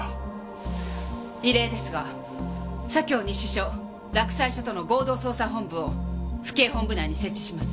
異例ですが左京西署洛西署との合同捜査本部を府警本部内に設置します。